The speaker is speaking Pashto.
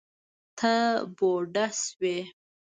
ته بوډه شوې